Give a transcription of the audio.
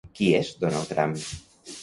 Qui és Donald Trump?